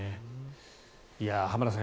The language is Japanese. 浜田さん